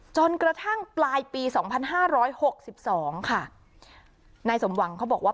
จนกระทั่งปลายปีสองพันห้าร้อยหกสิบสองค่ะนายสมหวังเขาบอกว่า